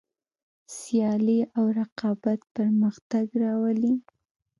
سیالي او رقابت پرمختګ راولي.